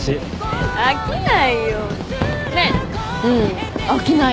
うん。飽きないね。